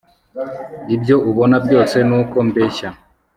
ibyo ubona byose nuko mbeshya